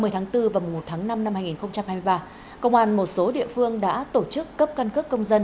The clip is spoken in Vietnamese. ba mươi tháng bốn và một tháng năm năm hai nghìn hai mươi ba công an một số địa phương đã tổ chức cấp căn cước công dân